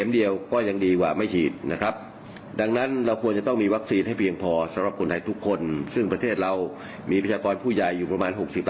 เดี๋ยวฟังเรื่องวัคซีนนะครับ